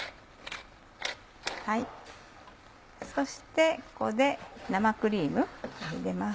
そしてここで生クリーム入れます。